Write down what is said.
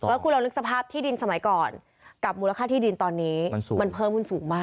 แล้วคุณลองนึกสภาพที่ดินสมัยก่อนกับมูลค่าที่ดินตอนนี้มันเพิ่มขึ้นสูงมาก